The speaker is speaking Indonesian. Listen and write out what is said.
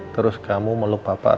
terus kamu melupakan papa